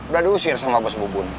udah diusir sama bos bubun